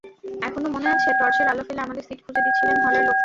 এখনো মনে আছে টর্চের আলো ফেলে আমাদের সিট খুঁজে দিচ্ছিলেন হলের লোকটা।